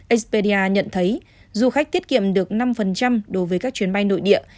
expedia nhận thấy du khách tiết kiệm được năm đối với các chuyến bay nội địa